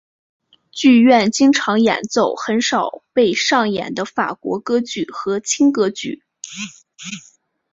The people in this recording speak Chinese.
剧院经常演奏很少被上演的法国歌剧和轻歌剧。